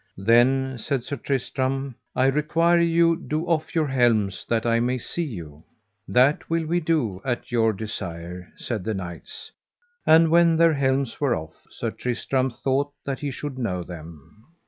Then said Sir Tristram: I require you do off your helms that I may see you. That will we do at your desire, said the knights. And when their helms were off, Sir Tristram thought that he should know them.